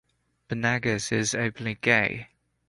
Benegas is openly gay.